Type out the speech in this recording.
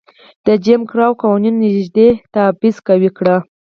د جېم کراو قوانینو نژادي تبعیض قوي کړ.